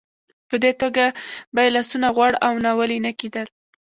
په دې توګه به یې لاسونه غوړ او ناولې نه کېدل.